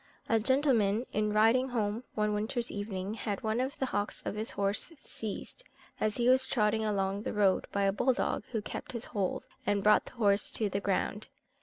A gentleman in riding home one winter's evening, had one of the hocks of his horse seized, as he was trotting along the road, by a bull dog, who kept his hold, and brought the horse to the ground.